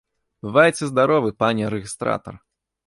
Бывайце здаровы, пане рэгістратар!